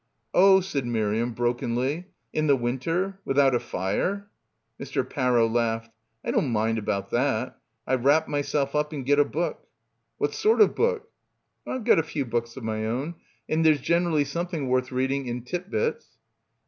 "Oh," said Miriam brokenly, "in the winter? Without a fire?" Mr. Parrow laughed. "I don't mind about that. I wtap myself up and get a book. "What sort of book? — 225 9 <U1U gCL it UUUK," PILGRIMAGE "I've got a few books of my own; and there's generally something worth reading in 'Tit Bits.'